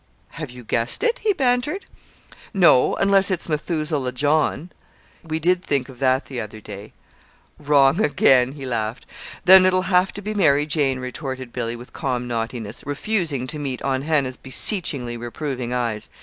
"Have you guessed it?" he bantered. "No unless it's 'Methuselah John.' We did think of that the other day." "Wrong again!" he laughed. "Then it'll have to be 'Mary Jane,'" retorted Billy, with calm naughtiness, refusing to meet Aunt Hannah's beseechingly reproving eyes.